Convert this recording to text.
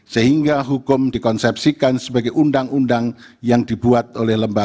sehingga hukum dikonsepsikan sebagai undang undang yang dibuat oleh lembaga